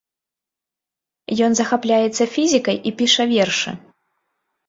Ён захапляецца фізікай і піша вершы.